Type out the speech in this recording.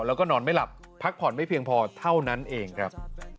แล้วก็นอนไม่หลับพักผ่อนไม่เพียงพอเท่านั้นเองครับ